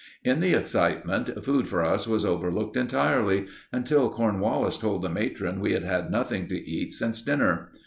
In the excitement, food for us was overlooked entirely, until Cornwallis told the matron we had had nothing to eat since dinner.